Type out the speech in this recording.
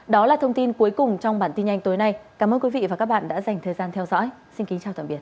đó là thông tin cuối cùng trong bản tin nhanh tối nay cảm ơn quý vị và các bạn đã dành thời gian theo dõi xin kính chào tạm biệt